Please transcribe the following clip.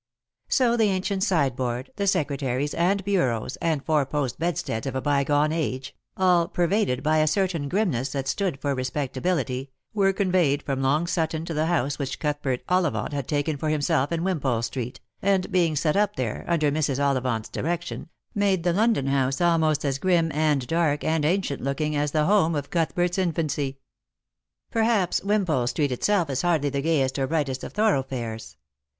So the ancient sideboard, the secretaires, and bureaus, antS four post bedsteads of a bygone age — all pervaded by a certain grimness that stood for respectability — were conveyed from Long Sutton to the house which Cuthbert Ollivant had taken for himself in Wimpole street, and being set up there, under Mrs. Ollivant's direction, made the London house almost as grim and dark and ancient looking as the home of Outhbert's infancy. Perhaps Wimpole street itself is hardly the gayest or brightest of thoroughfares.